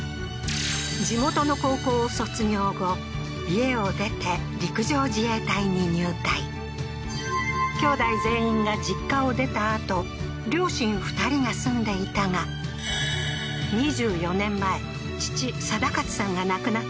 地元の高校を卒業後家を出て陸上自衛隊に入隊兄弟全員が実家を出たあと両親２人が住んでいたが２４年前父貞勝さんが亡くなってからは